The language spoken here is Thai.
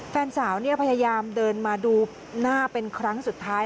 แฟนสาวพยายามเดินมาดูหน้าเป็นครั้งสุดท้าย